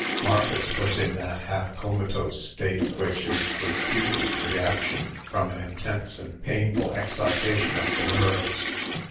Marcus was in that half comatose state which is the stupid reaction from an intense and painful excitation of the nerves.